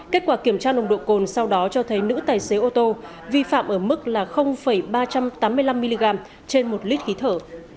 kết quả kiểm tra nồng độ cồn sau đó cho thấy nữ tài xế ô tô vi phạm ở mức ba trăm tám mươi năm mg trên một lít khí thở